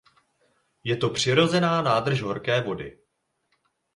Je to přirozená nádrž horké vody.